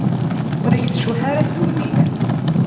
Ur ak-tcuḥḥ ara ddunit.